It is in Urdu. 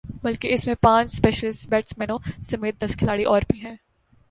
بلکہ اس میں پانچ اسپیشلسٹ بیٹسمینوں سمیت دس کھلاڑی اور بھی ہیں